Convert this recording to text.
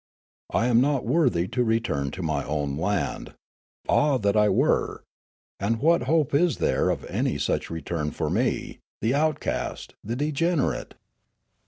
I am not worthy to return to my own land. Ah, that I were ! And what hope is there of any such return for me, the outcast, the degen erate